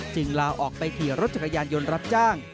ลาออกไปขี่รถจักรยานยนต์รับจ้าง